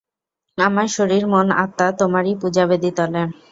আমার শরীর, মন, আত্মা তোমারই পূজাবেদীতলে।